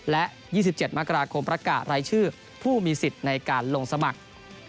และ๒๗มกราคมประกาศรายชื่อผู้มีสิทธิ์ในการลงสมัคร